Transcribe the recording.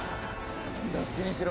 どっちにしろ